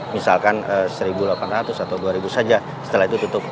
misalkan satu delapan ratus atau dua saja setelah itu tutup